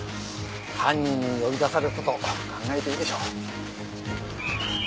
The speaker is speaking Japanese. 犯人に呼び出されたと考えていいでしょう。